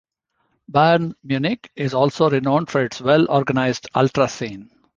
Bayern Munich is also renowned for its well-organised ultra scene.